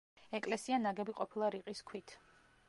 ეკლესია ნაგები ყოფილა რიყის ქვით.